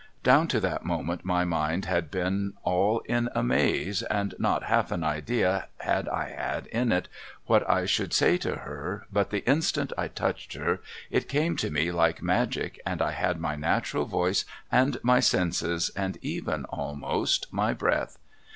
Down to that moment my mind had been all in a maze and not half an idea had I had in it what I should say to her, but the instant I touched her it came to me like magic and I liad my natural voice and my senses and even almost my breath.